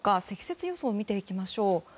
積雪予想を見ていきましょう。